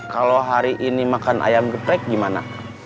kalau hari ini makan ayam geprek gimana